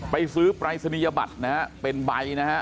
ไปซื้อปรายศนียบัตรนะฮะเป็นใบนะฮะ